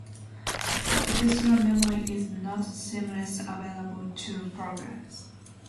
The extra memory is not seamlessly available to programs.